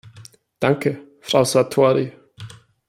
Danke, Frau Sartori.